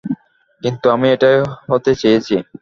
কিন্তু আমি এটাই হতে চেয়েছি।